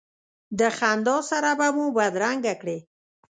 د خندا سره به مو بدرګه کړې.